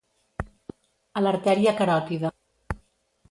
A l'artèria caròtida.